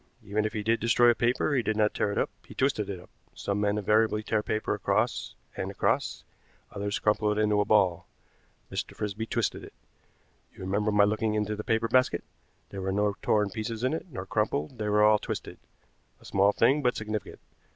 Even if he did destroy a paper he did not tear it up, he twisted it up. Some men invariably tear paper across and across, others crumple it into a ball. Mr. Frisby twisted it. You remember my looking into the paper basket. There were no torn pieces in it, nor crumpled; they were all twisted. A small thing, but significant.